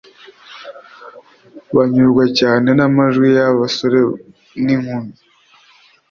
banyurwa cyane n'amajwi y'aba basore n'inkumi